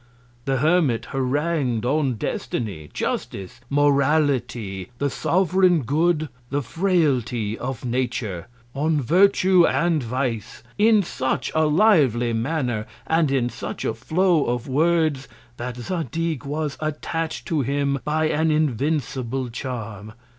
The Hermit harangu'd on Destiny, Justice, Morality, the sovereign Good, the Frailty of Nature; on Virtue and Vice, in such a lively Manner, and in such a Flow of Words, that Zadig was attach'd to him by an invincible Charm.